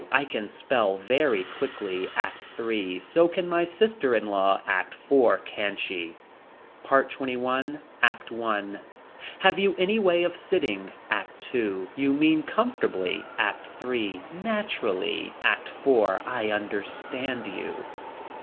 I can spell very quickly. ACT III. So can my sister in law. ACT IV. Can she. PART XXI. ACT I. Have you any way of sitting. ACT II. You mean comfortably. ACT III. Naturally. ACT IV. I understand you.